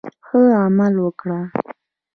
ښه عمل وکړه.